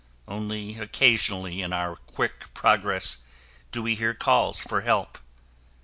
Only occasionally in our quick progress do we hear calls for help.